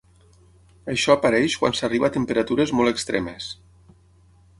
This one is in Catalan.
Això apareix quan s’arriba a temperatures molt extremes.